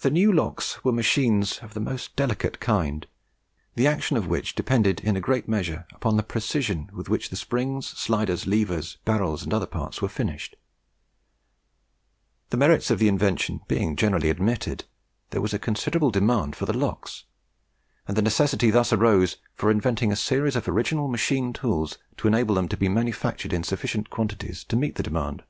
The new locks were machines of the most delicate kind, the action of which depended in a great measure upon the precision with which the springs, sliders, levers, barrels, and other parts were finished. The merits of the invention being generally admitted, there was a considerable demand for the locks, and the necessity thus arose for inventing a series of original machine tools to enable them to be manufactured in sufficient quantities to meet the demand.